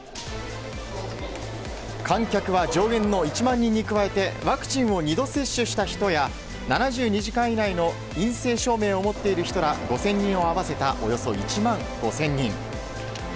観客は上限の１万人に加えてワクチンを２度接種した人や７２時間以内の陰性証明を持っている人ら５０００人を合わせたおよそ１万５０００人。